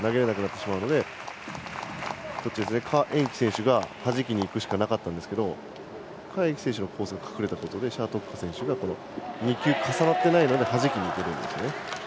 何宛淇選手がはじきにいくしかなかったんですけど何宛淇選手のコースが隠れたことで謝徳樺選手が２球重なっていないのではじきにいける。